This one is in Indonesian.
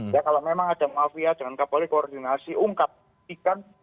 ya kalau memang ada mafia dengan kapolri koordinasi ungkap ikan